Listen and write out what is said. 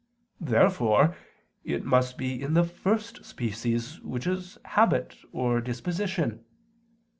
Therefore it must be in the first species which is "habit" or "disposition."